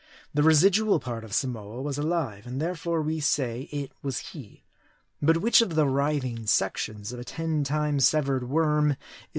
The residual part of Samoa was alive, and therefore we say it was he. But which of the writhing sections of a ten times severed worm, is the worm proper